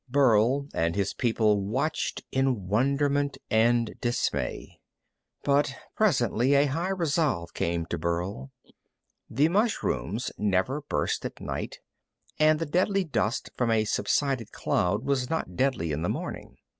Burl and his people watched in wonderment and dismay, but presently a high resolve came to Burl. The mushrooms never burst at night, and the deadly dust from a subsided cloud was not deadly in the morning.